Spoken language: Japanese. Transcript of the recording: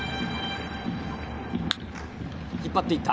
引っ張っていった。